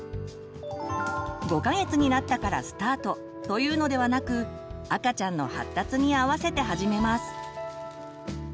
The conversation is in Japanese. ５か月になったからスタートというのではなく赤ちゃんの発達にあわせて始めます。